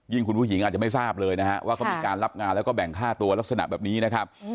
คุณผู้หญิงอาจจะไม่ทราบเลยนะฮะว่าเขามีการรับงานแล้วก็แบ่งค่าตัวลักษณะแบบนี้นะครับ